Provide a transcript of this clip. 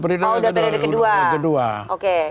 periode kedua oke